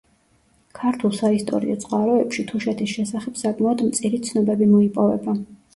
ქართულ საისტორიო წყაროებში თუშეთის შესახებ საკმაოდ მწირი ცნობები მოიპოვება.